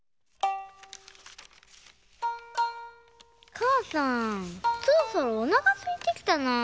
かあさんそろそろおなかすいてきたなぁ。